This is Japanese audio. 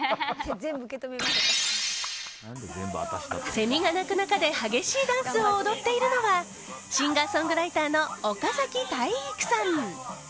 セミが鳴く中で激しいダンスを踊っているのはシンガーソングライターの岡崎体育さん。